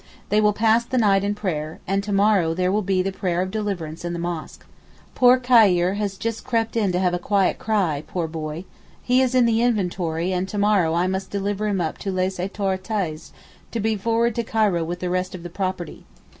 They will pass the night in prayer, and to morrow there will be the prayer of deliverance in the mosque. Poor Khayr has just crept in to have a quiet cry—poor boy. He is in the inventory and to morrow I must deliver him up to les autorités to be forwarded to Cairo with the rest of the property.